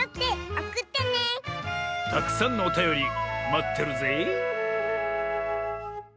たくさんのおたよりまってるぜえ。